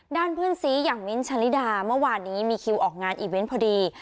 เพื่อนซีอย่างมิ้นท์ชะลิดาเมื่อวานนี้มีคิวออกงานอีเวนต์พอดี